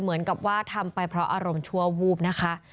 เหมือนกับว่าทำไปเพราะอารมณ์ชั่ววูบนะคะ